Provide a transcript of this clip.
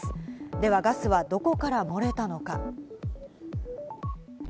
ではガスは、どこから漏れたのか？